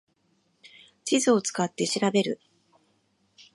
地図を使って調べる